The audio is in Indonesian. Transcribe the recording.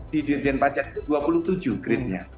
di dirjen pajak itu dua puluh tujuh grade nya